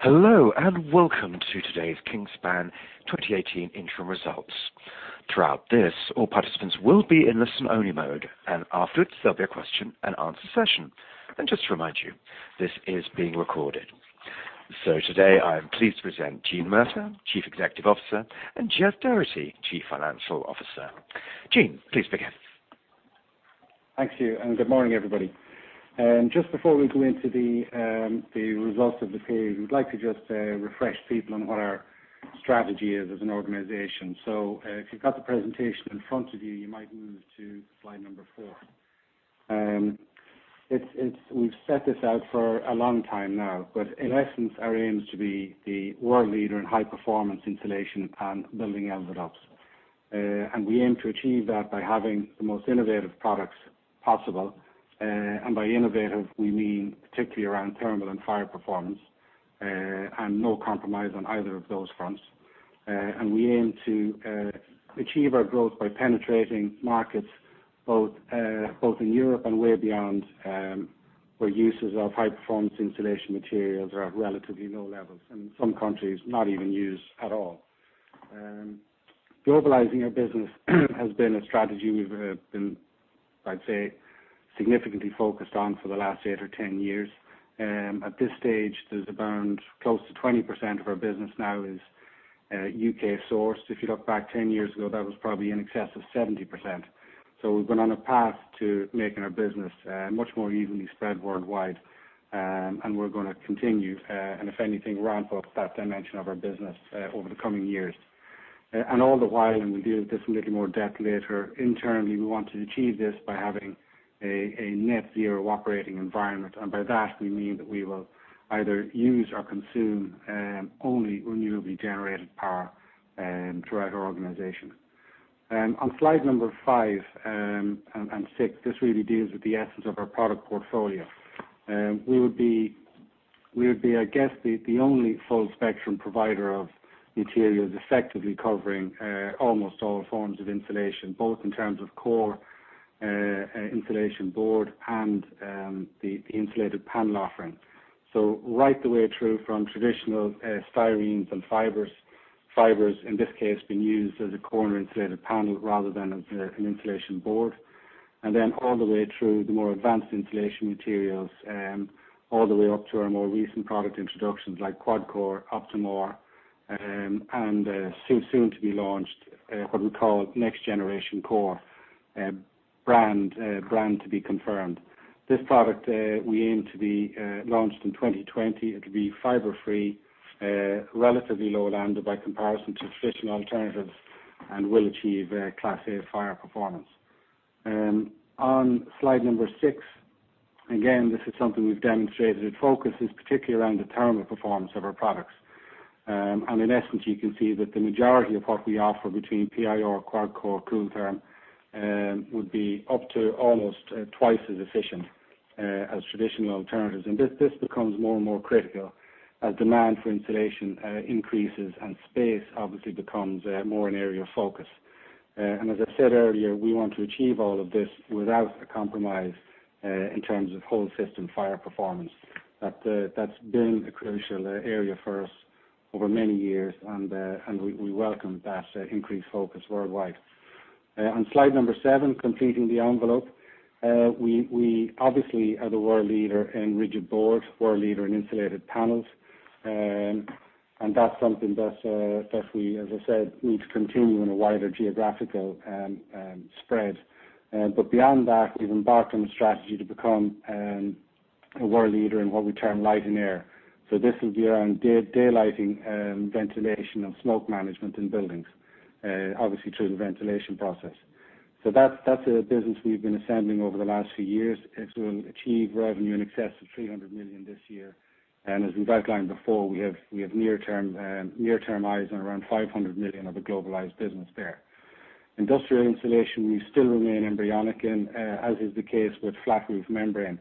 Hello, welcome to today's Kingspan 2018 interim results. Throughout this, all participants will be in listen-only mode. Afterwards, there will be a question and answer session. Just to remind you, this is being recorded. Today, I am pleased to present Gene Murtagh, Chief Executive Officer, and Geoff Doherty, Chief Financial Officer. Gene, please begin. Thank you. Good morning, everybody. Just before we go into the results of the period, we would like to just refresh people on what our strategy is as an organization. If you have got the presentation in front of you might move to slide number four. We have set this out for a long time now, but in essence, our aim is to be the world leader in high-performance insulation and building envelopes. We aim to achieve that by having the most innovative products possible. By innovative, we mean particularly around thermal and fire performance. No compromise on either of those fronts. We aim to achieve our growth by penetrating markets both in Europe and way beyond, where uses of high-performance insulation materials are at relatively low levels, and in some countries, not even used at all. Globalizing our business has been a strategy we have been, I would say, significantly focused on for the last eight or 10 years. At this stage, there is around close to 20% of our business now is U.K. sourced. If you look back 10 years ago, that was probably in excess of 70%. We have been on a path to making our business much more evenly spread worldwide. We are going to continue, and if anything, ramp up that dimension of our business over the coming years. All the while, and we will deal with this in a little more depth later, internally, we want to achieve this by having a net zero operating environment. By that we mean that we will either use or consume only renewably generated power throughout our organization. On slide number five and six, this really deals with the essence of our product portfolio. We would be, I guess, the only full spectrum provider of materials effectively covering almost all forms of insulation, both in terms of core insulation board and the insulated panel offering. Right the way through from traditional styrenes and fibers. Fibers in this case being used as a core in an insulated panel rather than as an insulation board. Then all the way through the more advanced insulation materials, all the way up to our more recent product introductions like QuadCore, Optim-R, and soon to be launched, what we call next generation core brand to be confirmed. This product we aim to be launched in 2020. It will be fiber free, relatively low lambda by comparison to traditional alternatives and will achieve Class A fire performance. On slide number six, again, this is something we have demonstrated. It focuses particularly around the thermal performance of our products. In essence, you can see that the majority of what we offer between PIR, QuadCore, Kooltherm, would be up to almost twice as efficient as traditional alternatives. This becomes more and more critical as demand for insulation increases and space obviously becomes more an area of focus. As I said earlier, we want to achieve all of this without a compromise in terms of whole system fire performance. That's been a crucial area for us over many years, and we welcome that increased focus worldwide. On slide number seven, completing the envelope. We obviously are the world leader in rigid board, world leader in Insulated Panels, and that's something that we, as I said, need to continue in a wider geographical spread. Beyond that, we've embarked on a strategy to become a world leader in what we term light and air. This will be around daylighting, ventilation, and smoke management in buildings, obviously through the ventilation process. That's a business we've been assembling over the last few years. It will achieve revenue in excess of 300 million this year. As we've outlined before, we have near-term eyes on around 500 million of a globalized business there. Industrial insulation, we still remain embryonic in, as is the case with flat roof membrane,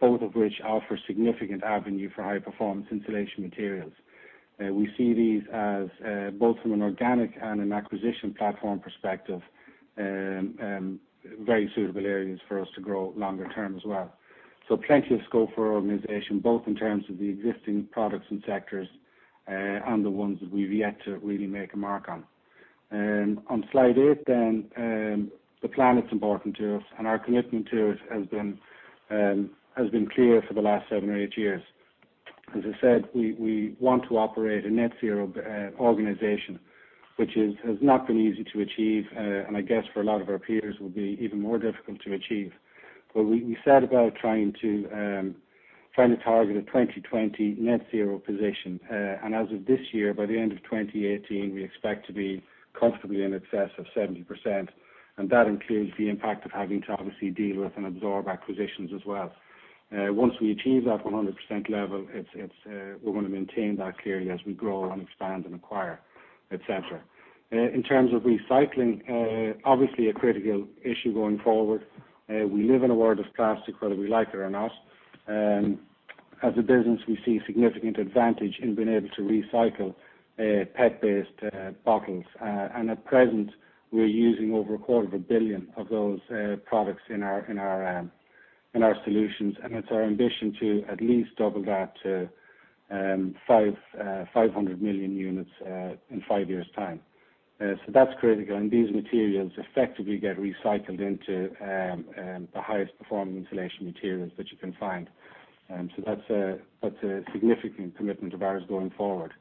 both of which offer significant avenue for high performance insulation materials. We see these as both from an organic and an acquisition platform perspective, very suitable areas for us to grow longer term as well. Plenty of scope for our organization, both in terms of the existing products and sectors, and the ones that we've yet to really make a mark on. On slide eight, the planet's important to us and our commitment to it has been clear for the last seven or eight years. As I said, we want to operate a net zero organization. Which has not been easy to achieve, and I guess for a lot of our peers will be even more difficult to achieve. We set about trying to target a 2020 net zero position. As of this year, by the end of 2018, we expect to be comfortably in excess of 70%, and that includes the impact of having to obviously deal with and absorb acquisitions as well. Once we achieve that 100% level, we're going to maintain that clearly as we grow and expand and acquire, et cetera. In terms of recycling, obviously a critical issue going forward. We live in a world of plastic, whether we like it or not. As a business, we see significant advantage in being able to recycle PET-based bottles. At present, we're using over a quarter of a billion of those products in our solutions, and it's our ambition to at least double that to 500 million units in five years' time. That's critical, and these materials effectively get recycled into the highest performing insulation materials that you can find. That's a significant commitment of ours going forward.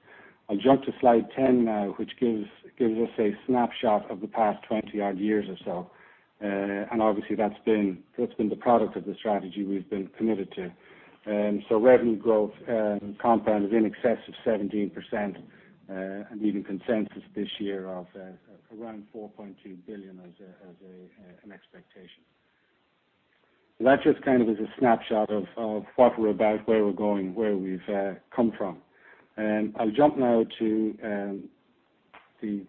I'll jump to slide 10 now, which gives us a snapshot of the past 20-odd years or so. Obviously, that's been the product of the strategy we've been committed to. Revenue growth compound is in excess of 17%, and even consensus this year of around 4.2 billion as an expectation. That just kind of is a snapshot of what we're about, where we're going, where we've come from. I'll jump now to the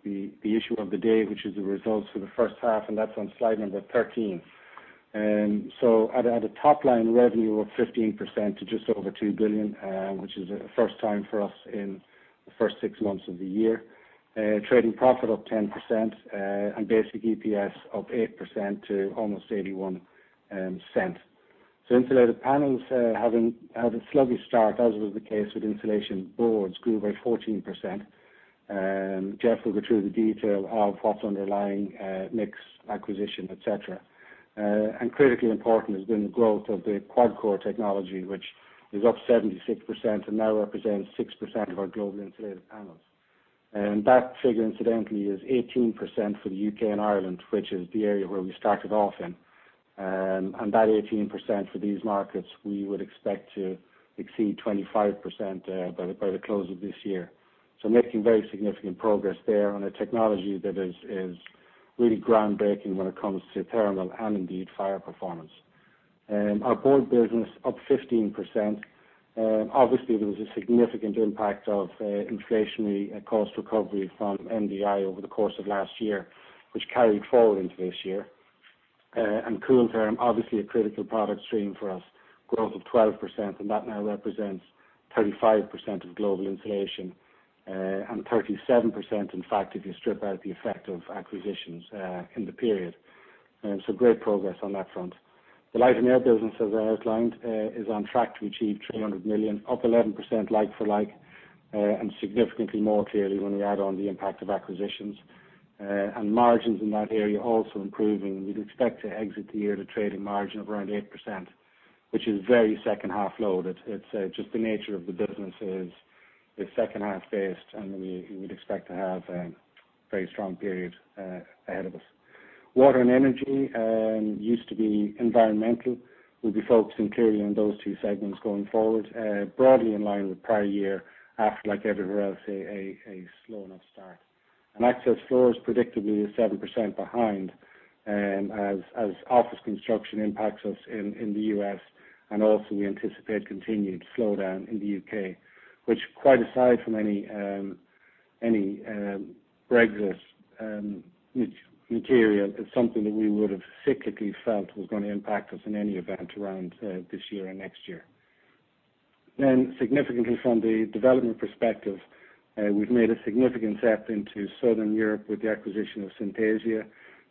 issue of the day, which is the results for the first half, that's on slide number 13. At a top-line revenue of 15% to just over 2 billion, which is a first time for us in the first six months of the year. Trading profit up 10%, basic EPS up 8% to almost 0.81. Insulated Panels had a sluggish start, as was the case with insulation boards, grew by 14%. Geoff will go through the detail of what's underlying mix acquisition, et cetera. Critically important has been the growth of the QuadCore technology, which is up 76% and now represents 6% of our global Insulated Panels. That figure, incidentally, is 18% for the U.K. and Ireland, which is the area where we started off in. That 18% for these markets, we would expect to exceed 25% by the close of this year. Making very significant progress there on a technology that is really groundbreaking when it comes to thermal and indeed fire performance. Our board business up 15%. Obviously, there was a significant impact of inflationary cost recovery from MDI over the course of last year, which carried forward into this year. Kooltherm, obviously a critical product stream for us, growth of 12%, that now represents 35% of global insulation, 37%, in fact, if you strip out the effect of acquisitions in the period. Great progress on that front. The light and air business, as I outlined, is on track to achieve 300 million, up 11% like for like, significantly more clearly when we add on the impact of acquisitions. Margins in that area also improving. We'd expect to exit the year at a trading margin of around 8%, which is very second half loaded. It's just the nature of the business is it's second half based, we would expect to have a very strong period ahead of us. Water and energy, used to be environmental. We'll be focusing clearly on those two segments going forward, broadly in line with prior year, after, like everywhere else, a slow enough start. Access floors predictably is 7% behind as office construction impacts us in the U.S., also we anticipate continued slowdown in the U.K., which quite aside from any Brexit material, is something that we would've physically felt was going to impact us in any event around this year and next year. Significantly from the development perspective, we've made a significant step into Southern Europe with the acquisition of Synthesia,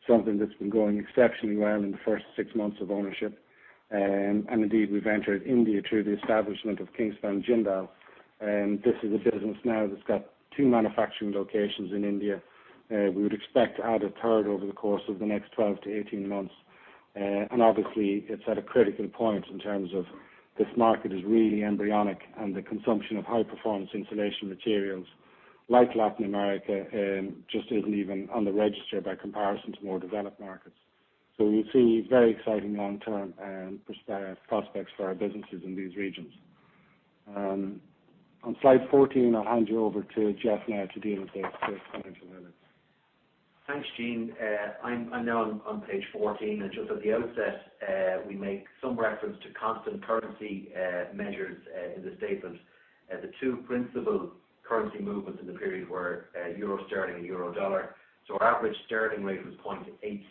something that's been going exceptionally well in the first six months of ownership. Indeed, we've entered India through the establishment of Kingspan Jindal. This is a business now that's got two manufacturing locations in India. We would expect to add a third over the course of the next 12-18 months. Obviously, it's at a critical point in terms of this market is really embryonic and the consumption of high-performance insulation materials, like Latin America, just isn't even on the register by comparison to more developed markets. We see very exciting long-term prospects for our businesses in these regions. On slide 14, I'll hand you over to Geoff now to deal with the financial numbers. Thanks, Gene. I'm now on page 14. Just at the outset, we make some reference to constant currency measures in the statement. The two principal currency movements in the period were euro/sterling and euro/dollar. Our average sterling rate was 0.86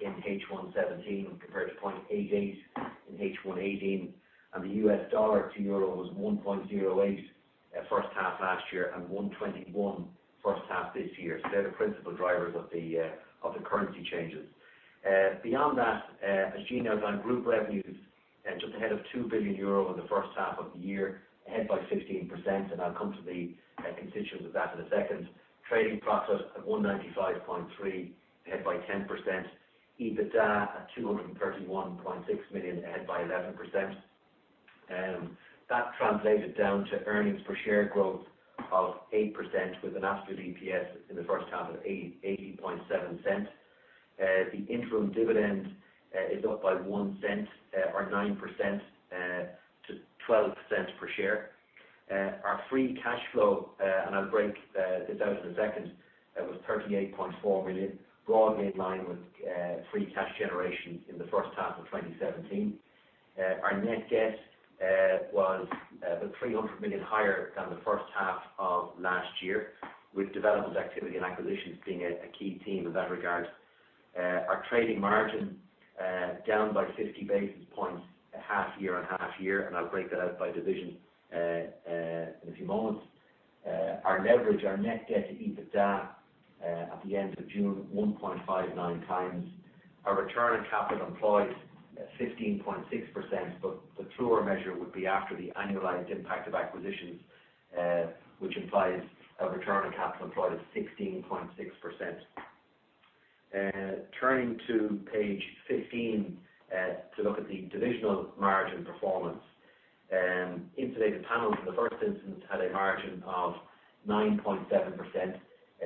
in H1 2017, compared to 0.88 in H1 2018. The US dollar to euro was 1.08 first half last year and 1.21 first half this year. They're the principal drivers of the currency changes. Beyond that, as Gene outlined, group revenues just ahead of 2 billion euro in the first half of the year, ahead by 15%. I'll come to the constituents of that in a second. Trading profit at 195.3 million, ahead by 10%. EBITDA at 231.6 million, ahead by 11%. That translated down to earnings per share growth of 8% with an after-tax EPS in the first half of 0.807. The interim dividend is up by 0.01 or 9% to 0.12 per share. Our free cash flow, I'll break this out in a second, was 38.4 million, broadly in line with free cash generation in the first half of 2017. Our net debt was about 300 million higher than the first half of last year, with development activity and acquisitions being a key theme in that regard. Our trading margin down by 50 basis points half year on half year. I'll break that out by division in a few moments. Our leverage, our net debt to EBITDA at the end of June, 1.59 times. Our return on capital employed, 15.6%, but the truer measure would be after the annualized impact of acquisitions, which implies a return on capital employed of 16.6%. Turning to page 15 to look at the divisional margin performance. Insulated Panels, in the first instance, had a margin of 9.7%,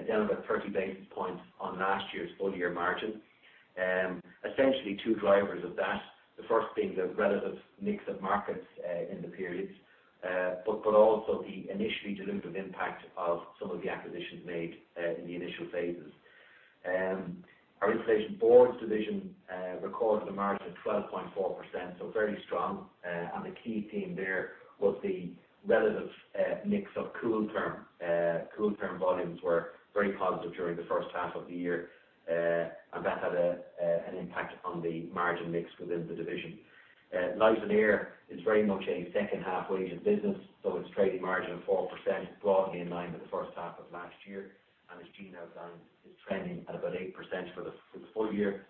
down about 30 basis points on last year's full-year margin. Essentially two drivers of that, the first being the relative mix of markets in the periods, also the initially dilutive impact of some of the acquisitions made in the initial phases. Our insulation boards division recorded a margin of 12.4%, very strong. The key theme there was the relative mix of Kooltherm. Kooltherm volumes were very positive during the first half of the year, that had an impact on the margin mix within the division. Light and air is very much a second half weighted business, its trading margin of 4% broadly in line with the first half of last year. As Gene outlined, is trending at about 8% for the full year.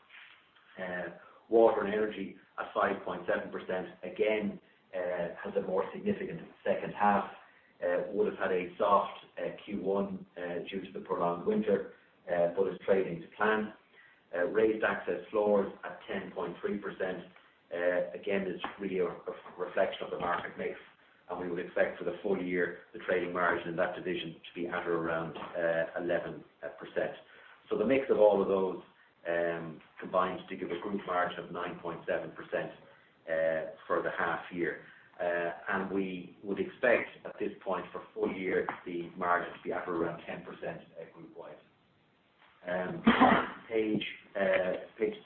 Water and energy at 5.7%, again, has a more significant second half. Would have had a soft Q1 due to the prolonged winter, is trading to plan. Raised access floors at 10.3%. Again, that's really a reflection of the market mix. We would expect for the full year the trading margin in that division to be at or around 11%. The mix of all of those combines to give a group margin of 9.7% for the half year. We would expect at this point for full year, the margin to be at or around 10% group-wide. Page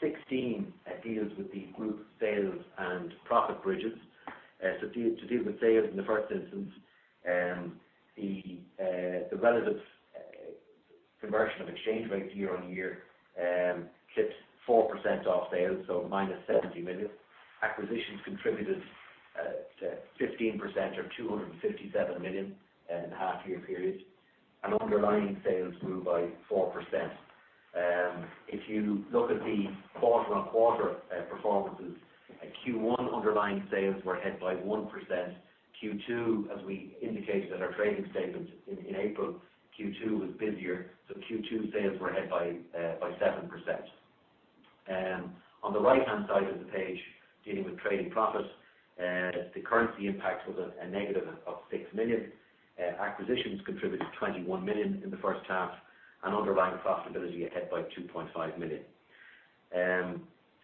16 deals with the group sales and profit bridges. To deal with sales in the first instance, the relative conversion of exchange rates year-on-year clips 4% off sales, minus 70 million. Acquisitions contributed to 15% or 257 million in the half year period, underlying sales grew by 4%. If you look at the quarter-on-quarter performances, Q1 underlying sales were ahead by 1%. Q2, as we indicated in our trading statement in April, Q2 was busier, Q2 sales were ahead by 7%. On the right-hand side of the page, dealing with trading profit, the currency impact was a negative of 6 million. Acquisitions contributed 21 million in the first half, underlying profitability ahead by 2.5 million.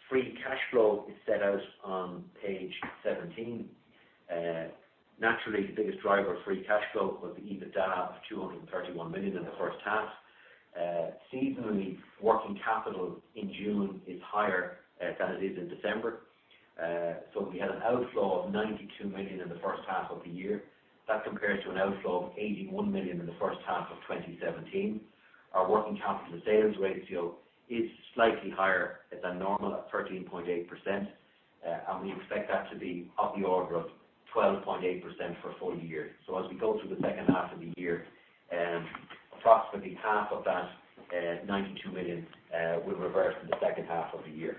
Free cash flow is set out on page 17. Naturally, the biggest driver of free cash flow was the EBITDA of 231 million in the first half. Seasonally, working capital in June is higher than it is in December. We had an outflow of 92 million in the first half of the year. That compares to an outflow of 81 million in the first half of 2017. Our working capital to sales ratio is slightly higher than normal at 13.8%, and we expect that to be of the order of 12.8% for full year. As we go through the second half of the year, approximately half of that, 92 million, will reverse in the second half of the year.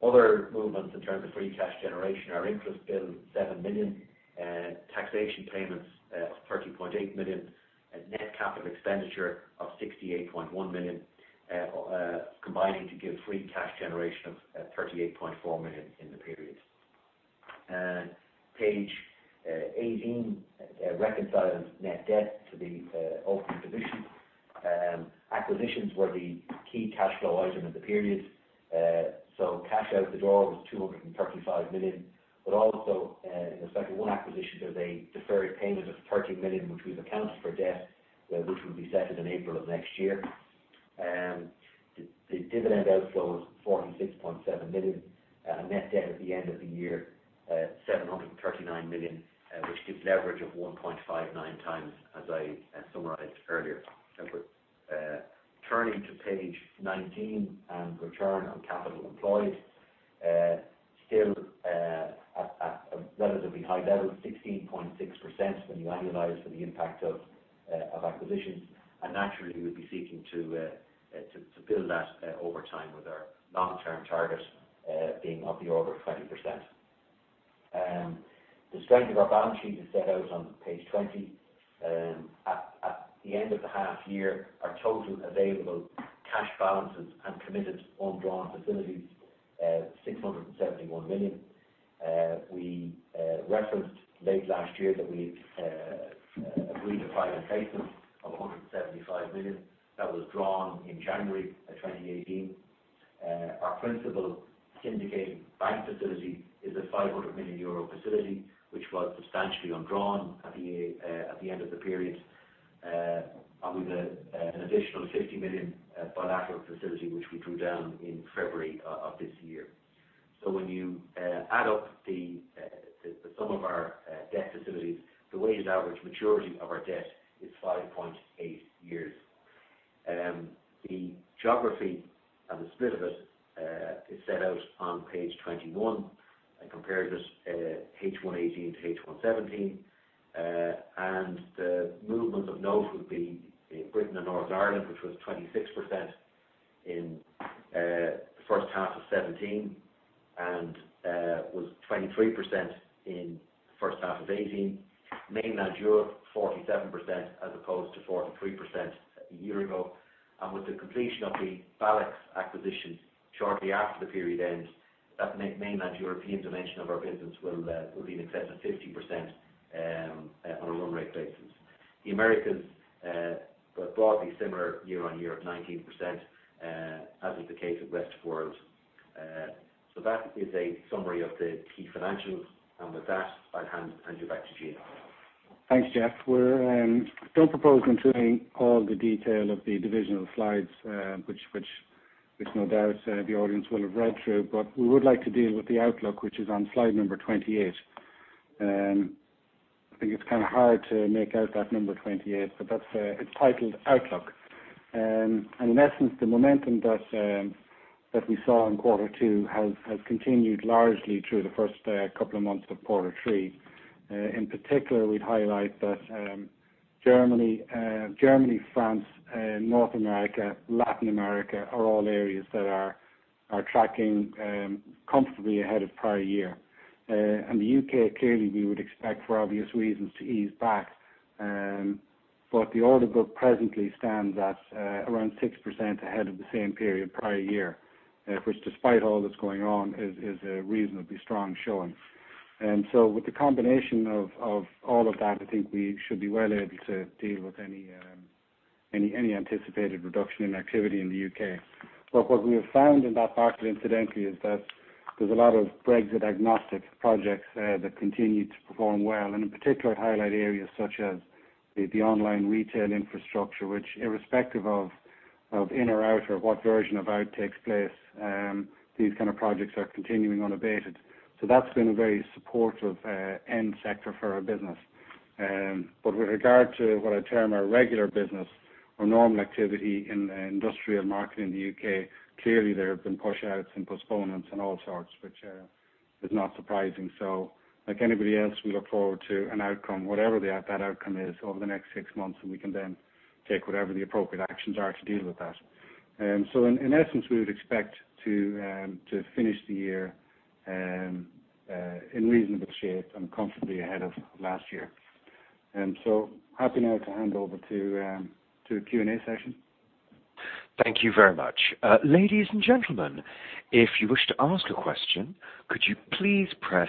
Other movements in terms of free cash generation are interest bill, 7 million. Taxation payments of 30.8 million, and net capital expenditure of 68.1 million, combining to give free cash generation of 38.4 million in the period. Page 18 reconciles net debt to the opening position. Acquisitions were the key cash flow item of the period. Cash out the door was 235 million, but also in respect of one acquisition, there's a deferred payment of 30 million, which we've accounted for debt which will be settled in April of next year. The dividend outflow was 46.7 million. Net debt at the end of the year, 739 million, which gives leverage of 1.59 times, as I summarized earlier. Turning to page 19 on return on capital employed. Still at a relatively high level, 16.6%, when you annualize for the impact of acquisitions. Naturally, we'll be seeking to build that over time with our long-term target being of the order of 20%. The strength of our balance sheet is set out on page 20. At the end of the half year, our total available cash balances and committed undrawn facilities, EUR 671 million. We referenced late last year that we had agreed a financing of 175 million. That was drawn in January of 2018. Our principal syndicated bank facility is a 500 million euro facility, which was substantially undrawn at the end of the period. We've an additional 50 million bilateral facility, which we drew down in February of this year. When you add up the sum of our debt facilities, the weighted average maturity of our debt is 5.8 years. The geography and the split of it is set out on page 21. I compared this H1 2018 to H1 2017. The movement of note would be Britain and Northern Ireland, which was 26% in the first half of 2017 and was 23% in the first half of 2018. Mainland Europe, 47%, as opposed to 43% a year ago. With the completion of the Balex acquisition shortly after the period end, that mainland European dimension of our business will be in excess of 50% on a run rate basis. The Americas were broadly similar year-on-year at 19%, as was the case with Rest of World. That is a summary of the key financials. With that, I will hand you back to Gene. Thanks, Geoff. We do not propose going through all the detail of the divisional slides, which no doubt the audience will have read through, but we would like to deal with the outlook, which is on slide number 28. I think it is kind of hard to make out that number 28, but it is titled Outlook. In essence, the momentum that we saw in quarter two has continued largely through the first couple of months of quarter three. In particular, we would highlight that Germany, France, North America, Latin America are all areas that are tracking comfortably ahead of prior year. The U.K., clearly we would expect for obvious reasons to ease back. The order book presently stands at around 6% ahead of the same period prior year, which despite all that is going on, is a reasonably strong showing. With the combination of all of that, I think we should be well able to deal with any anticipated reduction in activity in the U.K. What we have found in that market incidentally is that there is a lot of Brexit agnostic projects that continue to perform well. In particular I highlight areas such as the online retail infrastructure, which irrespective of in or out or what version of out takes place, these kind of projects are continuing unabated. That has been a very supportive end sector for our business. With regard to what I term our regular business or normal activity in the industrial market in the U.K., clearly there have been push outs and postponements and all sorts, which is not surprising. Like anybody else, we look forward to an outcome, whatever that outcome is over the next six months, and we can then take whatever the appropriate actions are to deal with that. In essence, we would expect to finish the year in reasonable shape and comfortably ahead of last year. Happy now to hand over to Q&A session. Thank you very much. Ladies and gentlemen, if you wish to ask a question, could you please press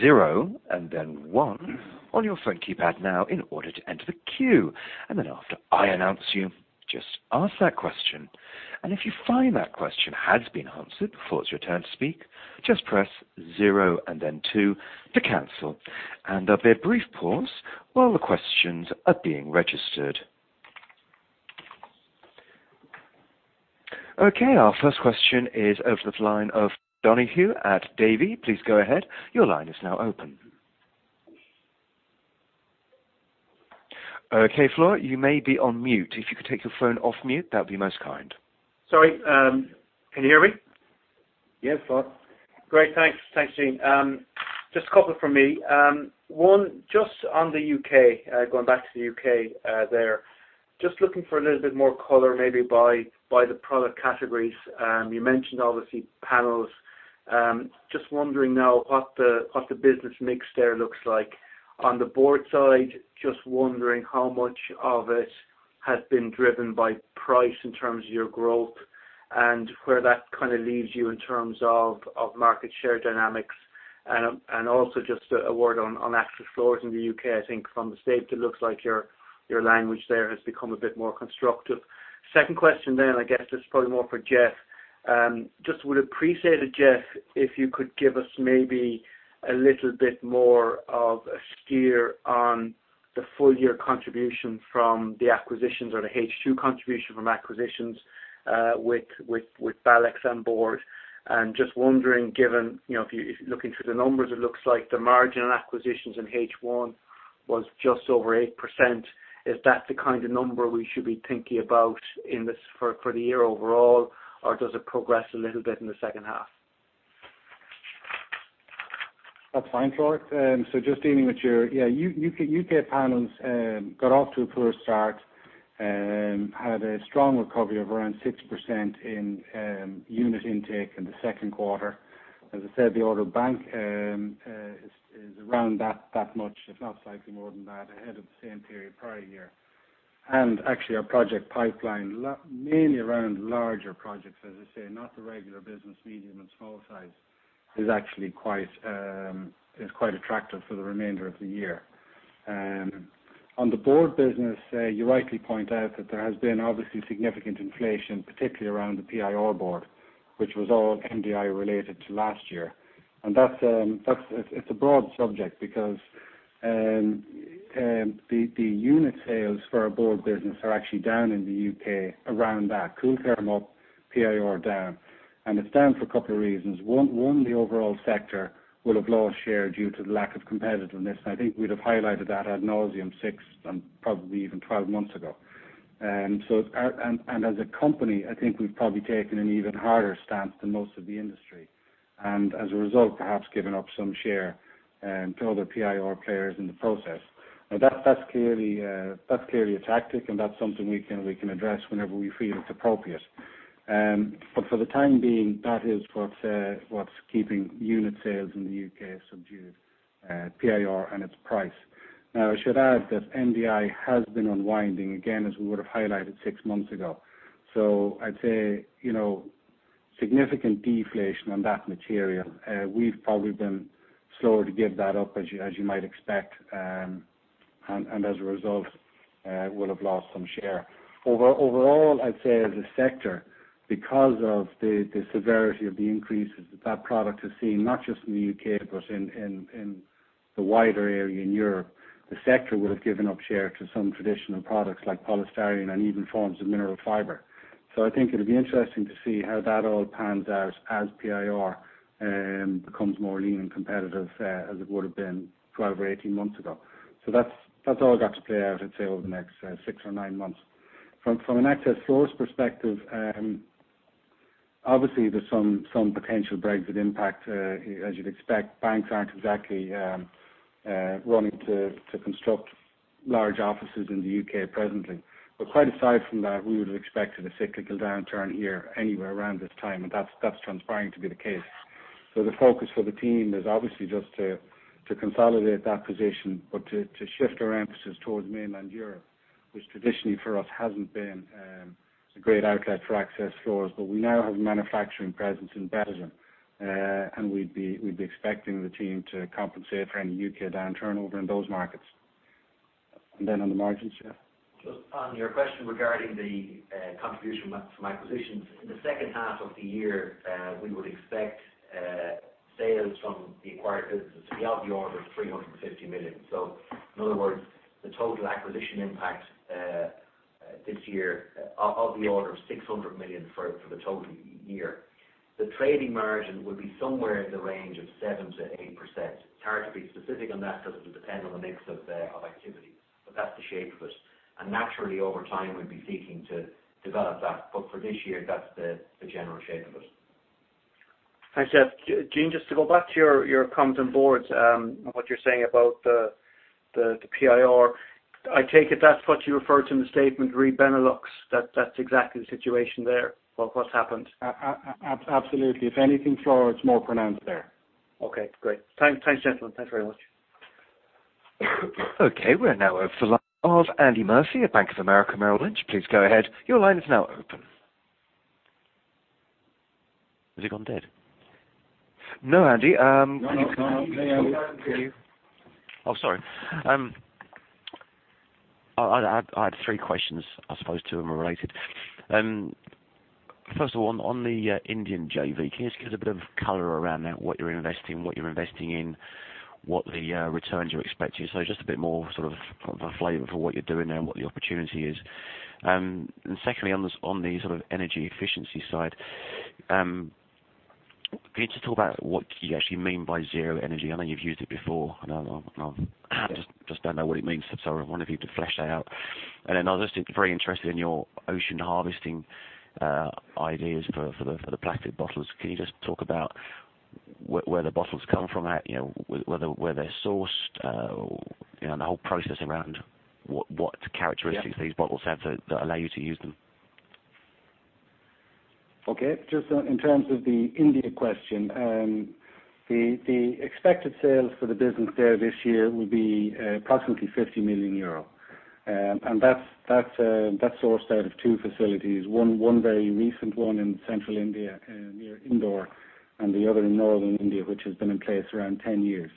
zero and then one on your phone keypad now in order to enter the queue. After I announce you, just ask that question. If you find that question has been answered before it's your turn to speak, just press zero and then two to cancel. There will be a brief pause while the questions are being registered. Okay. Our first question is over the line of O'Donoghue at Davy. Please go ahead. Your line is now open. Okay, Flor. You may be on mute. If you could take your phone off mute, that would be most kind. Sorry. Can you hear me? Yes, Flor. Great. Thanks, Gene. Just a couple from me. One, just on the U.K., going back to the U.K. there, just looking for a little bit more color maybe by the product categories. You mentioned obviously panels. Just wondering now what the business mix there looks like. On the board side, just wondering how much of it has been driven by price in terms of your growth and where that kind of leaves you in terms of market share dynamics and also just a word on access floors in the U.K. I think from the state it looks like your language there has become a bit more constructive. Second question, I guess this is probably more for Geoff. Just would appreciate it, Geoff, if you could give us maybe a little bit more of a steer on the full year contribution from the acquisitions or the H2 contribution from acquisitions with Balex on board. Just wondering, given if you're looking through the numbers, it looks like the margin on acquisitions in H1 was just over 8%. Is that the kind of number we should be thinking about for the year overall, or does it progress a little bit in the second half? That's fine, Flor. So just dealing with your-- Yeah, U.K. panels got off to a poor start and had a strong recovery of around 6% in unit intake in the second quarter. The order bank is around that much, if not slightly more than that, ahead of the same period prior year. And actually our project pipeline, mainly around larger projects, as I say, not the regular business, medium and small size, is actually quite attractive for the remainder of the year. On the board business, you rightly point out that there has been obviously significant inflation, particularly around the PIR board, which was all MDI related to last year. It's a broad subject because the unit sales for our board business are actually down in the U.K. around that. Kooltherm up, PIR down. It's down for a couple of reasons. One, the overall sector will have lost share due to the lack of competitiveness, and I think we'd have highlighted that ad nauseam six, and probably even 12 months ago. As a company, I think we've probably taken an even harder stance than most of the industry. As a result, perhaps given up some share to other PIR players in the process. That's clearly a tactic, and that's something we can address whenever we feel it's appropriate. For the time being, that is what's keeping unit sales in the U.K. subdued, PIR and its price. I should add that MDI has been unwinding again, as we would've highlighted six months ago. I'd say, significant deflation on that material. We've probably been slower to give that up, as you might expect. As a result, we'll have lost some share. Overall, I'd say as a sector, because of the severity of the increases that that product has seen, not just in the U.K., but in the wider area in Europe, the sector will have given up share to some traditional products like polystyrene and even forms of mineral fiber. I think it'll be interesting to see how that all pans out as PIR becomes more lean and competitive as it would've been 12 or 18 months ago. That's all got to play out, I'd say, over the next six or nine months. From an access floors perspective, obviously there's some potential Brexit impact. As you'd expect, banks aren't exactly running to construct large offices in the U.K. presently. Quite aside from that, we would've expected a cyclical downturn here anywhere around this time, and that's transpiring to be the case. The focus for the team is obviously just to consolidate that position, to shift our emphasis towards mainland Europe, which traditionally for us hasn't been a great outlet for access floors. We now have manufacturing presence in Belgium. We'd be expecting the team to compensate for any U.K. downturn over in those markets. On the margins, yeah. Just on your question regarding the contribution from acquisitions. In the second half of the year, we would expect sales from the acquired businesses to be of the order of 350 million. In other words, the total acquisition impact this year of the order of 600 million for the total year. The trading margin will be somewhere in the range of 7%-8%. It's hard to be specific on that because it'll depend on the mix of activities, but that's the shape of it. Naturally, over time, we'd be seeking to develop that. For this year, that's the general shape of it. Thanks, Geoff. Gene, just to go back to your comments on boards, and what you're saying about the PIR. I take it that's what you refer to in the statement, re: Benelux, that that's exactly the situation there, what's happened? Absolutely. If anything, Flor, it's more pronounced there. Okay, great. Thanks, gentlemen. Thanks very much. Okay, we're now open the line of Andy Murphy at Bank of America Merrill Lynch. Please go ahead. Your line is now open. Has he gone dead? No, Andy. No, I'm here. Oh, sorry. I had three questions. I suppose two of them are related. First of all, on the Indian JV, can you just give us a bit of color around that, what you're investing, what you're investing in, what the returns you're expecting. Just a bit more sort of a flavor for what you're doing there and what the opportunity is. Secondly, on the sort of energy efficiency side, can you just talk about what you actually mean by zero energy? I know you've used it before, and I just don't know what it means, so I wanted you to flesh that out. Then I was just very interested in your ocean harvesting ideas for the plastic bottles. Can you just talk about where the bottles come from, where they're sourced or the whole process around what characteristics these bottles have that allow you to use them? Okay. Just in terms of the India question, the expected sales for the business there this year will be approximately 50 million euro. That's sourced out of two facilities, one very recent one in central India near Indore, and the other in northern India, which has been in place around 10 years.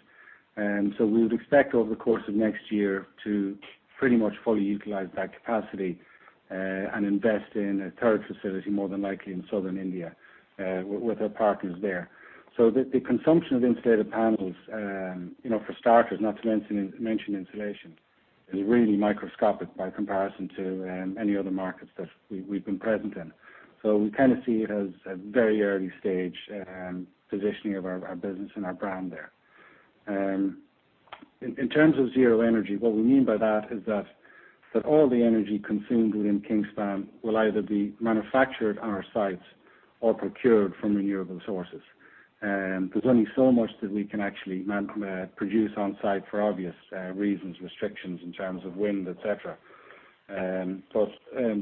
We would expect over the course of next year to pretty much fully utilize that capacity, and invest in a third facility, more than likely in southern India, with our partners there. The consumption of insulated panels, for starters, not to mention insulation, is really microscopic by comparison to any other markets that we've been present in. We kind of see it as a very early-stage positioning of our business and our brand there. In terms of zero energy, what we mean by that is that all the energy consumed within Kingspan will either be manufactured on our sites or procured from renewable sources. There's only so much that we can actually produce on-site, for obvious reasons, restrictions in terms of wind, et cetera.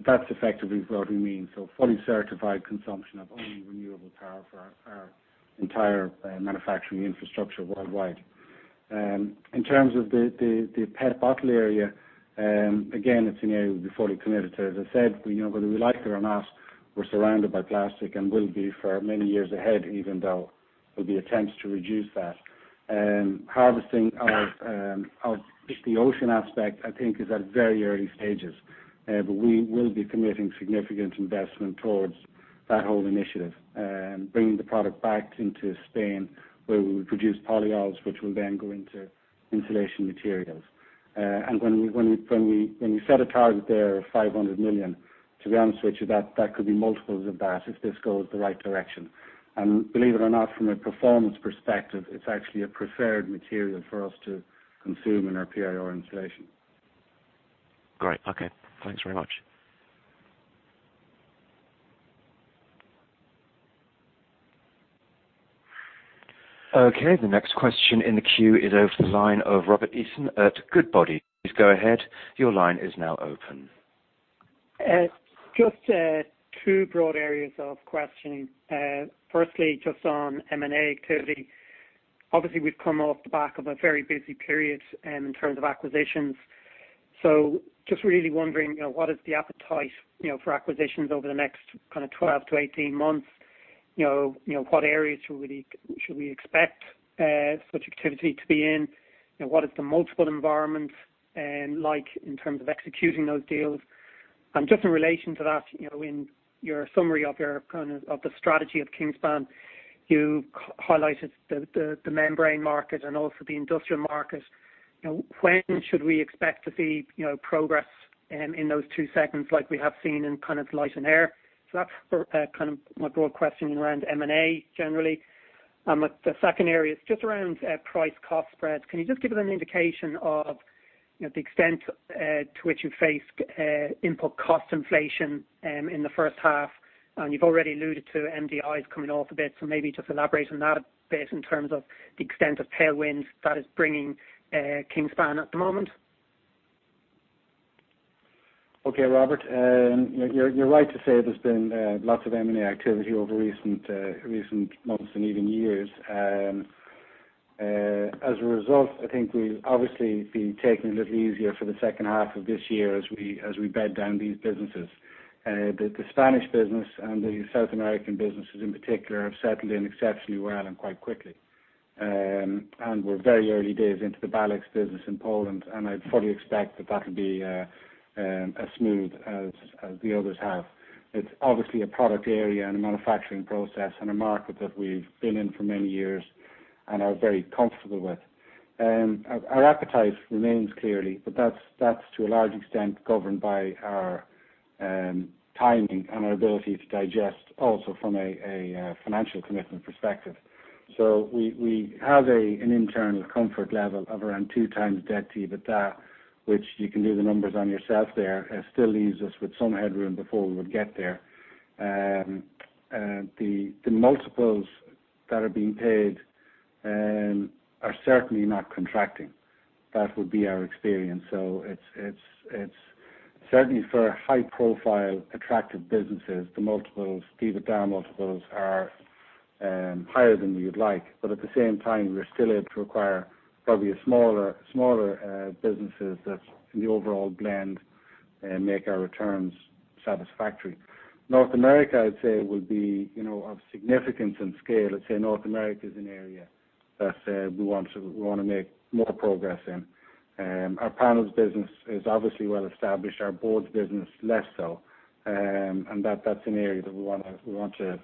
That's effectively what we mean, so fully certified consumption of only renewable power for our entire manufacturing infrastructure worldwide. In terms of the PET bottle area, again, it's an area we'd be fully committed to. As I said, whether we like it or not, we're surrounded by plastic and will be for many years ahead, even though there'll be attempts to reduce that. Harvesting of just the ocean aspect, I think is at very early stages. We will be committing significant investment towards that whole initiative and bringing the product back into Spain, where we will produce polyols, which will then go into insulation materials. When we set a target there of 500 million, to be honest with you, that could be multiples of that if this goes the right direction. Believe it or not, from a performance perspective, it's actually a preferred material for us to consume in our PIR insulation. Great. Okay. Thanks very much. Okay. The next question in the queue is over to the line of Robert Eason at Goodbody. Please go ahead. Your line is now open. Just two broad areas of questioning. Firstly, just on M&A activity. Obviously, we've come off the back of a very busy period in terms of acquisitions. Just really wondering, what is the appetite for acquisitions over the next kind of 12 to 18 months? What areas should we expect such activity to be in? What is the multiple environments like in terms of executing those deals? Just in relation to that, in your summary of the strategy of Kingspan, you highlighted the membrane market and also the industrial market. When should we expect to see progress in those two segments like we have seen in kind of light and air? That's kind of my broad questioning around M&A, generally. The second area is just around price cost spreads. Can you just give us an indication of the extent to which you face input cost inflation in the first half? You've already alluded to MDI coming off a bit, maybe just elaborate on that a bit in terms of the extent of tailwinds that is bringing Kingspan at the moment. Okay, Robert. You're right to say there's been lots of M&A activity over recent months and even years. As a result, I think we've obviously been taking it a little easier for the second half of this year as we bed down these businesses. The Spanish business and the South American businesses, in particular, have settled in exceptionally well and quite quickly. We're very early days into the Balex business in Poland, and I'd fully expect that that'll be as smooth as the others have. It's obviously a product area and a manufacturing process and a market that we've been in for many years and are very comfortable with. Our appetite remains clearly, but that's to a large extent governed by our timing and our ability to digest also from a financial commitment perspective. We have an internal comfort level of around 2 times debt EBITDA, which you can do the numbers on yourself there. It still leaves us with some headroom before we would get there. The multiples that are being paid are certainly not contracting. That would be our experience. It's certainly for high-profile attractive businesses, the EBITDA multiples are higher than you'd like. At the same time, we're still able to acquire probably smaller businesses that in the overall blend make our returns satisfactory. North America, I'd say, will be of significance and scale. I'd say North America is an area that we want to make more progress in. Our panels business is obviously well established, our boards business less so. That's an area that we want to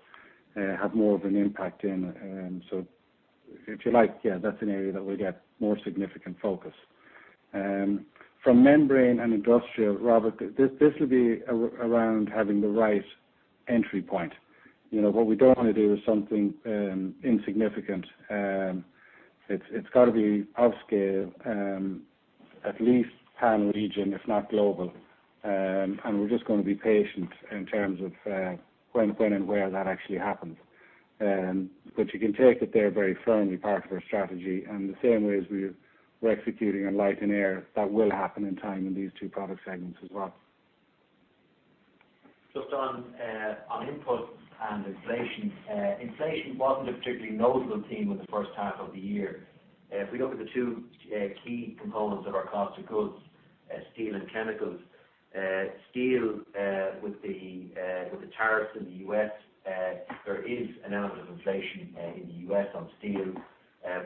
have more of an impact in. If you like, yeah, that's an area that will get more significant focus. From membrane and industrial, Robert, this will be around having the right entry point. What we don't want to do is something insignificant. It's got to be of scale, at least pan-region, if not global. We're just going to be patient in terms of when and where that actually happens. You can take it they're very firmly part of our strategy, and the same way as we're executing on light and air, that will happen in time in these two product segments as well. Just on input and inflation. Inflation wasn't a particularly notable theme in the first half of the year. If we look at the two key components of our cost of goods, steel and chemicals. Steel, with the tariffs in the U.S., there is an element of inflation in the U.S. on steel,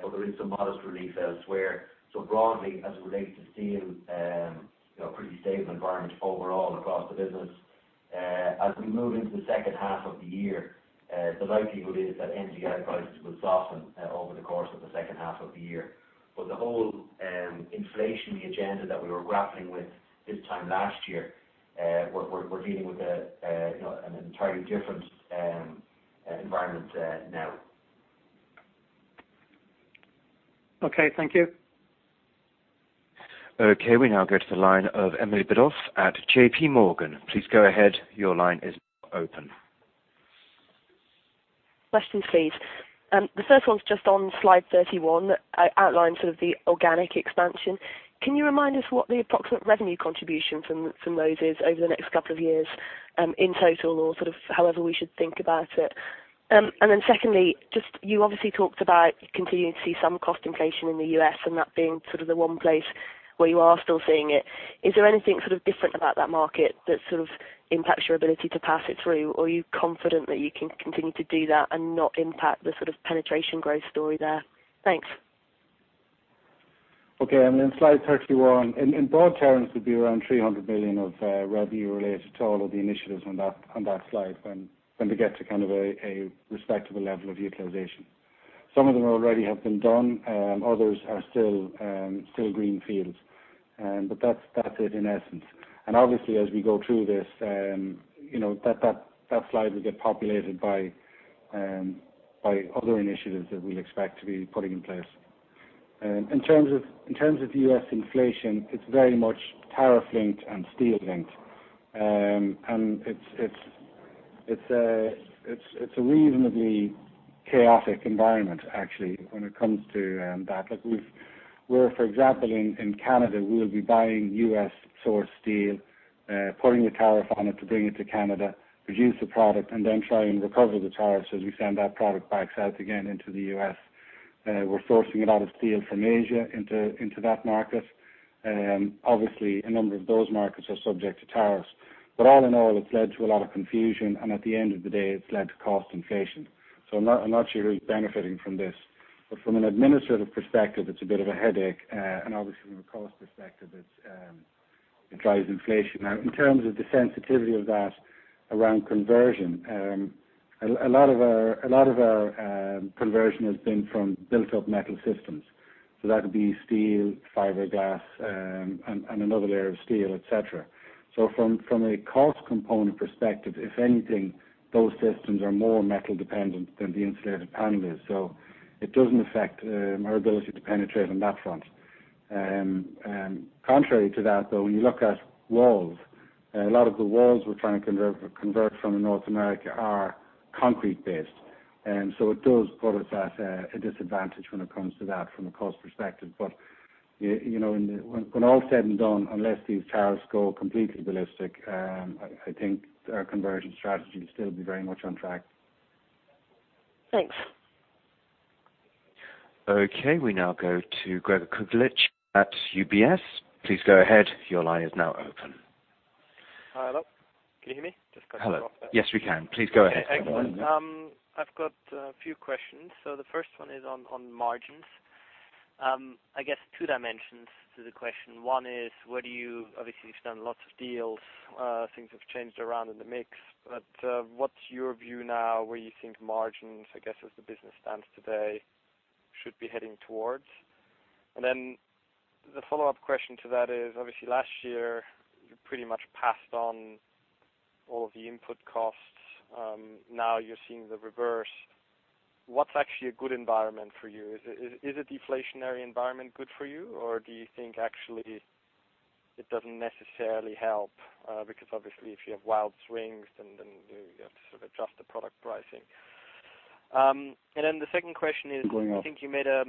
but there is some modest relief elsewhere. Broadly, as it relates to steel, pretty stable environment overall across the business. As we move into the second half of the year, the likelihood is that MDI prices will soften over the course of the second half of the year. The whole inflationary agenda that we were grappling with this time last year, we're dealing with an entirely different environment now. Thank you. We now go to the line of Emily Biddulph at J.P. Morgan. Please go ahead. Your line is now open. Questions, please. The first one's just on slide 31, outlines sort of the organic expansion. Can you remind us what the approximate revenue contribution from those is over the next couple of years in total or sort of however we should think about it? Secondly, just you obviously talked about continuing to see some cost inflation in the U.S. and that being sort of the one place where you are still seeing it. Is there anything sort of different about that market that sort of impacts your ability to pass it through? Or are you confident that you can continue to do that and not impact the sort of penetration growth story there? Thanks. Slide 31, in broad terms, would be around 300 million of revenue related to all of the initiatives on that slide when we get to kind of a respectable level of utilization. Some of them already have been done, others are still green fields. That's it in essence. Obviously as we go through this, that slide will get populated by other initiatives that we'll expect to be putting in place. In terms of U.S. inflation, it's very much tariff linked and steel linked. It's a reasonably chaotic environment, actually, when it comes to that. For example, in Canada, we'll be buying U.S.-sourced steel, putting the tariff on it to bring it to Canada, produce the product, then try and recover the tariffs as we send that product back south again into the U.S. We're sourcing a lot of steel from Asia into that market. Obviously, a number of those markets are subject to tariffs. All in all, it's led to a lot of confusion, and at the end of the day, it's led to cost inflation. I'm not sure who's benefiting from this. From an administrative perspective, it's a bit of a headache. Obviously from a cost perspective, it drives inflation. In terms of the sensitivity of that around conversion, a lot of our conversion has been from built-up metal systems. That would be steel, fiberglass, and another layer of steel, et cetera. From a cost component perspective, if anything, those systems are more metal dependent than the insulated panel is. It doesn't affect our ability to penetrate on that front. Contrary to that, though, when you look at walls, a lot of the walls we're trying to convert from in North America are concrete based. It does put us at a disadvantage when it comes to that from a cost perspective. When all's said and done, unless these tariffs go completely ballistic, I think our conversion strategy will still be very much on track. Thanks. We now go to Gregor Kuglitsch at UBS. Please go ahead. Your line is now open. Hi. Hello. Can you hear me? Just cut you off there. Hello. Yes, we can. Please go ahead. Excellent. I've got a few questions. The first one is on margins. I guess two dimensions to the question. One is, obviously you've done lots of deals, things have changed around in the mix, what's your view now where you think margins, I guess, as the business stands today, should be heading towards? The follow-up question to that is, obviously last year you pretty much passed on all of the input costs. Now you're seeing the reverse. What's actually a good environment for you? Is a deflationary environment good for you, or do you think actually it doesn't necessarily help? Because obviously if you have wild swings, then you have to sort of adjust the product pricing. The second question is- Gregor I think you made a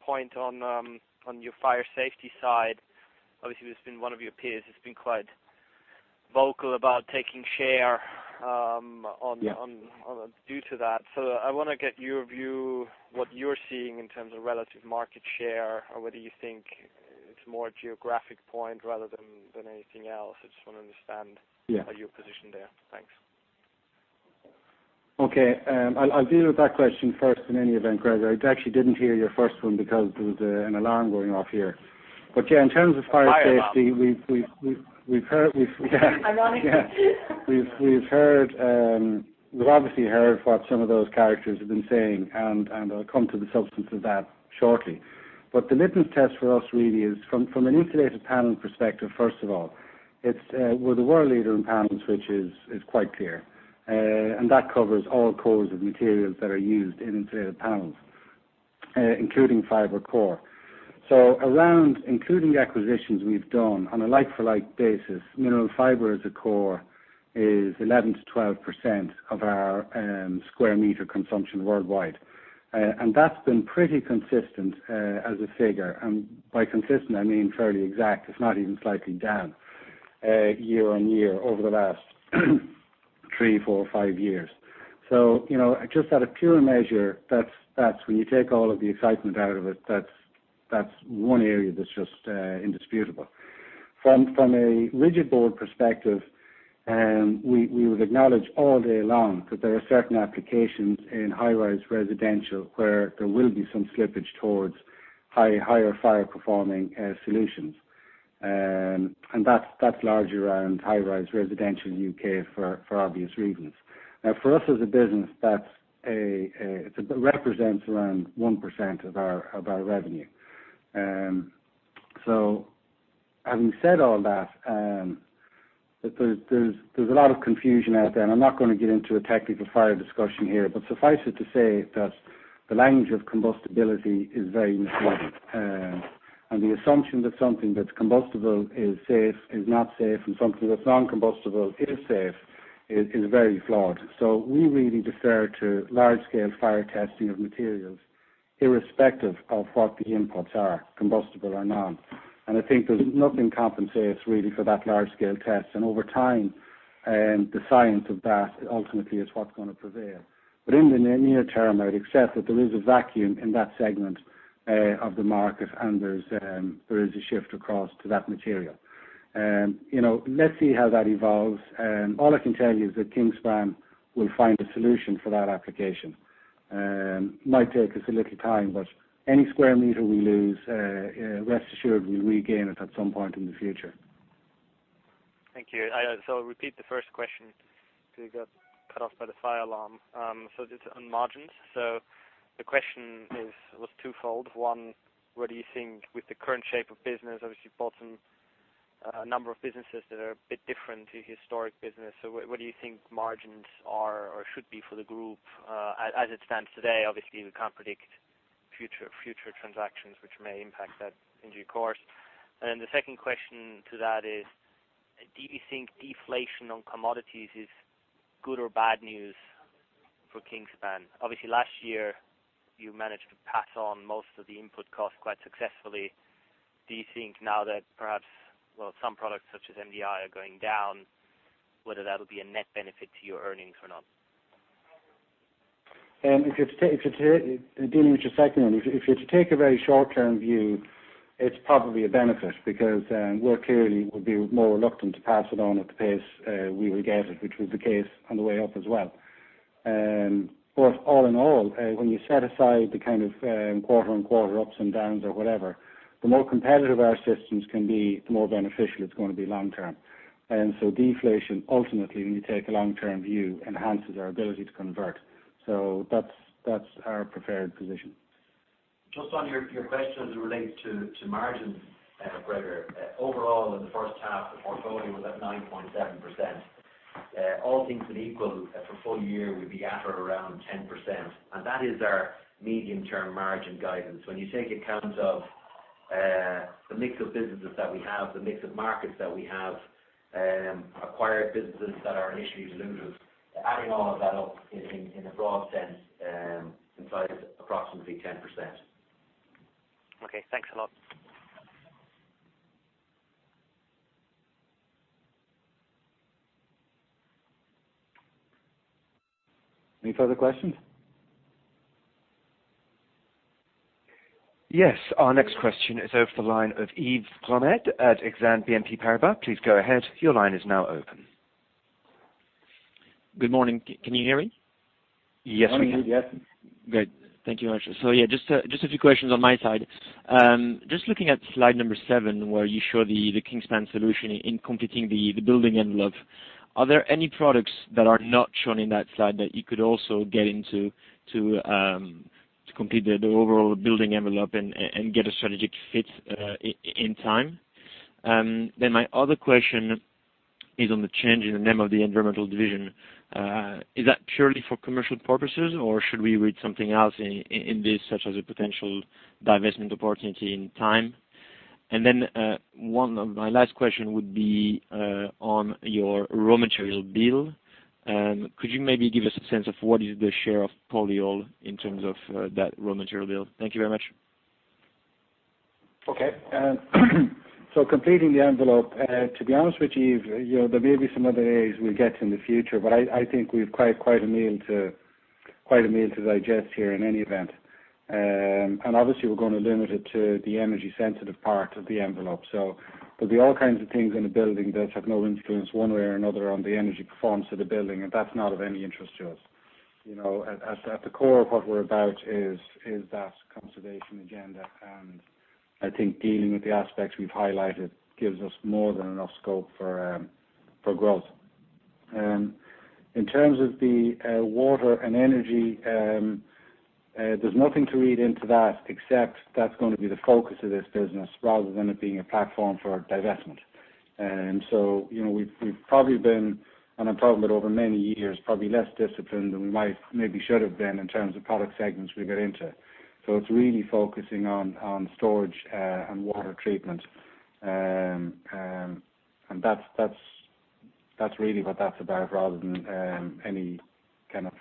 point on your fire safety side. Obviously, one of your peers has been quite vocal about taking share due to that. I want to get your view, what you're seeing in terms of relative market share, or whether you think it's more a geographic point rather than anything else. I just want to understand- Yeah How you're positioned there. Thanks. Okay. I'll deal with that question first in any event, Gregor. I actually didn't hear your first one because there was an alarm going off here. Yeah, in terms of fire safety- Fire alarm we've heard Ironically Yeah. We've obviously heard what some of those characters have been saying, and I'll come to the substance of that shortly. The litmus test for us really is from an insulated panel perspective, first of all, we're the world leader in panels, which is quite clear. That covers all cores of materials that are used in insulated panels, including fiber core. Including the acquisitions we've done on a like for like basis, mineral fiber as a core is 11%-12% of our sq m consumption worldwide. That's been pretty consistent as a figure. By consistent, I mean fairly exact. It's not even slightly down year-on-year over the last three, four, five years. Just at a pure measure, when you take all of the excitement out of it, that's one area that's just indisputable. From a rigid board perspective, we would acknowledge all day long that there are certain applications in high-rise residential where there will be some slippage towards higher fire performing solutions. That's largely around high-rise residential U.K. for obvious reasons. For us as a business, that represents around 1% of our revenue. Having said all that, there's a lot of confusion out there, and I'm not going to get into a technical fire discussion here, but suffice it to say that the language of combustibility is very misleading. The assumption that something that's combustible is not safe and something that's non-combustible is safe, is very flawed. We really defer to large scale fire testing of materials irrespective of what the inputs are, combustible or non. I think nothing compensates really for that large scale test. Over time, the science of that ultimately is what's going to prevail. In the near term, I'd accept that there is a vacuum in that segment of the market and there is a shift across to that material. Let's see how that evolves. All I can tell you is that Kingspan will find a solution for that application. Might take us a little time, but any square meter we lose, rest assured, we'll regain it at some point in the future. Thank you. Repeat the first question because it got cut off by the fire alarm. Just on margins. The question was twofold. One, what do you think with the current shape of business, obviously bought some number of businesses that are a bit different to historic business. What do you think margins are or should be for the group as it stands today? Obviously, we can't predict future transactions which may impact that in due course. Then the second question to that is, do you think deflation on commodities is good or bad news for Kingspan? Obviously, last year you managed to pass on most of the input cost quite successfully. Do you think now that perhaps, well, some products such as MDI are going down, whether that'll be a net benefit to your earnings or not? Dealing with your second one, if you're to take a very short-term view, it's probably a benefit because we clearly would be more reluctant to pass it on at the pace we would get it, which was the case on the way up as well. All in all, when you set aside the kind of quarter on quarter ups and downs or whatever, the more competitive our systems can be, the more beneficial it's going to be long term. Deflation ultimately, when you take a long-term view, enhances our ability to convert. That's our preferred position. Just on your question as it relates to margins, Gregor. Overall, in the first half, the portfolio was at 9.7%. All things being equal, for full year, we'd be at or around 10%, and that is our medium-term margin guidance. When you take account of the mix of businesses that we have, the mix of markets that we have, acquired businesses that are initially dilutive, adding all of that up in a broad sense, implies approximately 10%. Okay, thanks a lot. Any further questions? Yes. Our next question is over the line of Yves Plamont at Exane BNP Paribas. Please go ahead. Your line is now open. Good morning. Can you hear me? Morning, yes. Good. Thank you very much. Yeah, just a few questions on my side. Just looking at slide number seven, where you show the Kingspan solution in completing the building envelope, are there any products that are not shown in that slide that you could also get into to complete the overall building envelope and get a strategic fit in time? My other question is on the change in the name of the environmental division. Is that purely for commercial purposes, or should we read something else in this, such as a potential divestment opportunity in time? My last question would be on your raw material bill. Could you maybe give us a sense of what is the share of polyol in terms of that raw material bill? Thank you very much. Okay. Completing the envelope, to be honest with you, Yves, there may be some other areas we'll get in the future, but I think we've quite a meal to digest here in any event. Obviously, we're going to limit it to the energy-sensitive part of the envelope. There'll be all kinds of things in a building that have no influence one way or another on the energy performance of the building, and that's not of any interest to us. At the core of what we're about is that conservation agenda, and I think dealing with the aspects we've highlighted gives us more than enough scope for growth. In terms of the water and energy, there's nothing to read into that except that's going to be the focus of this business rather than it being a platform for divestment. We've probably been, and I mean, I'm talking about over many years, probably less disciplined than we maybe should have been in terms of product segments we get into. It's really focusing on storage and water treatment. That's really what that's about rather than any kind of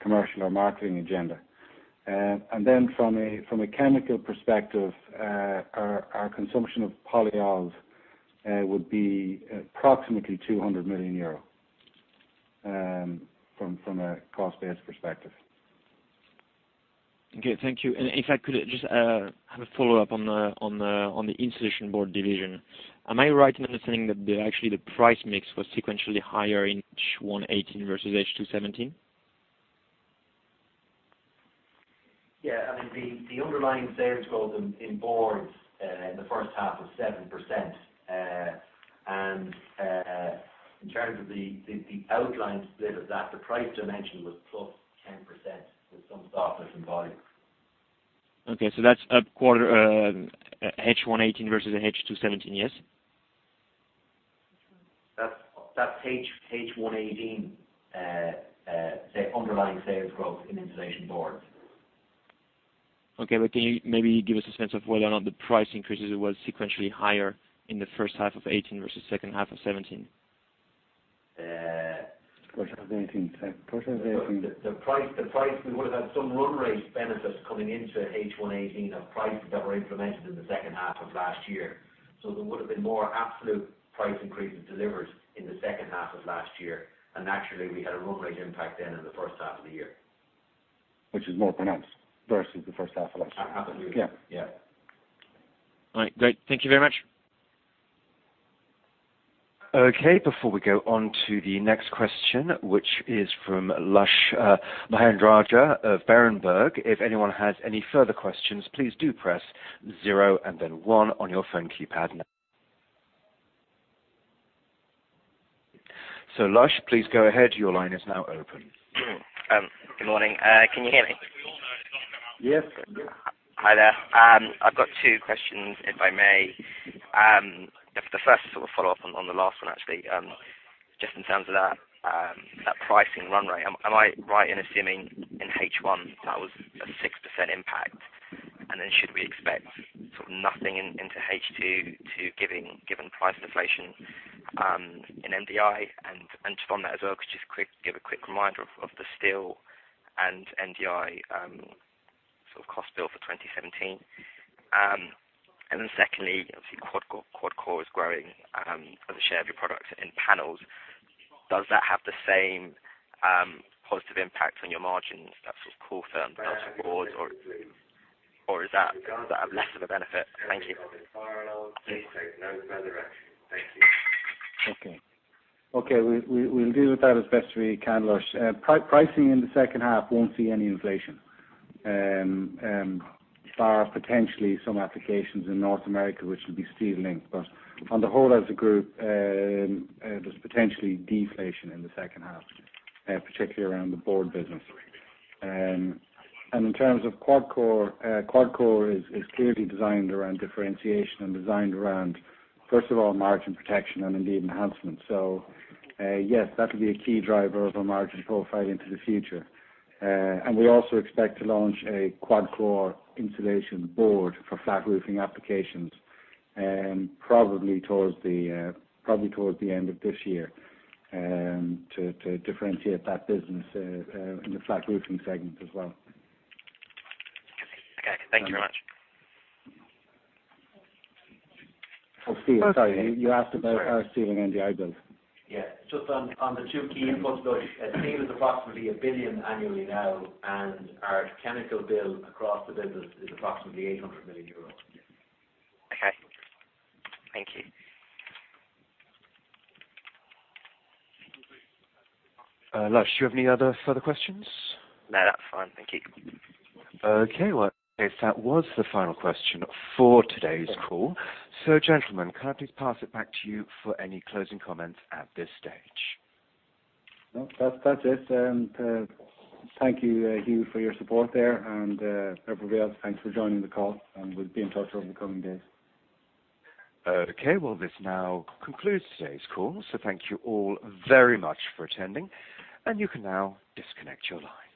commercial or marketing agenda. From a chemical perspective, our consumption of polyols would be approximately 200 million euro, from a cost-based perspective. Okay, thank you. If I could just have a follow-up on the insulation board division. Am I right in understanding that actually the price mix was sequentially higher in H1 2018 versus H2 2017? I mean, the underlying sales growth in boards in the first half was 7%, and in terms of the outlined split of that, the price dimension was plus 10%, with some softness in volume. That's up quarter H1 2018 versus H2 2017, yes? H1 2018 underlying sales growth in insulation boards. Okay. Can you maybe give us a sense of whether or not the price increases was sequentially higher in the first half of 2018 versus second half of 2017? First half of 2018. The price, we would have had some run rate benefits coming into H1 2018 of prices that were implemented in the second half of last year. Naturally, we had a run rate impact then in the first half of the year. Which is more pronounced versus the first half of last year. Absolutely. Yeah. Yeah. All right, great. Thank you very much. Okay, before we go on to the next question, which is from Lush Mahendrarajah of Berenberg, if anyone has any further questions, please do press zero and then one on your phone keypad now. Lush, please go ahead. Your line is now open. Good morning. Can you hear me? Yes. Hi there. I've got two questions, if I may. The first sort of follow-up on the last one actually, just in terms of that pricing runway, am I right in assuming in H1 that was a 6% impact? Should we expect sort of nothing into H2, given price inflation in MDI? On that as well, could you just give a quick reminder of the steel and MDI sort of cost bill for 2017. Secondly, obviously QuadCore is growing as a share of your products in panels. Does that have the same positive impact on your margins as sort of Kooltherm boards or is that of less of a benefit? Thank you. Okay. We'll deal with that as best we can, Lush. Pricing in the second half won't see any inflation, bar potentially some applications in North America which will be steel linked. On the whole as a group, there's potentially deflation in the second half, particularly around the board business. In terms of QuadCore is clearly designed around differentiation and designed around, first of all, margin protection and indeed enhancement. Yes, that'll be a key driver of our margin profile into the future. We also expect to launch a QuadCore insulation board for flat roofing applications, probably towards the end of this year to differentiate that business in the flat roofing segment as well. Okay. Thank you very much. Oh, Lush, sorry. You asked about our steel and MDI bills. Yeah. Just on the two key inputs, Lush. Steel is approximately 1 billion annually now, and our chemical bill across the business is approximately 800 million euros. Okay. Thank you. Lush, do you have any other further questions? No, that's fine. Thank you. Okay, well, if that was the final question for today's call. Gentlemen, can I please pass it back to you for any closing comments at this stage? No, that's it. Thank you, Hugh, for your support there, and everybody else, thanks for joining the call, and we'll be in touch over the coming days. Okay, well, this now concludes today's call, so thank you all very much for attending, and you can now disconnect your line.